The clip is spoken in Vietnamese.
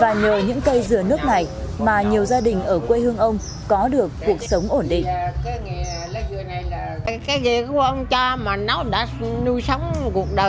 và nhờ những cây dừa nước này mà nhiều dân tộc đã bắt đầu bệnh lá dừa